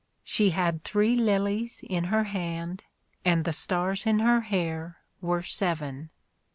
She had three lilies in her hand. And the stars in her hair were seven.